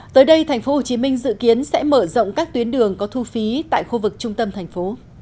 tới đây tp hcm dự kiến sẽ mở rộng các tuyến đường có thu phí tại khu vực trung tâm thành phố